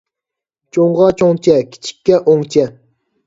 چوڭغا چوڭچە، كىچىككە ئوڭچە